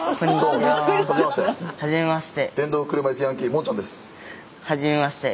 はじめまして。